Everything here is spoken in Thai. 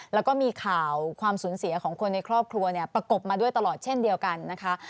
แล้วก็มีข่าวความสูญเสียของคนในครอบครัวเนี่ยประกบมาด้วยตลอดเช่นเดียวกันนะคะ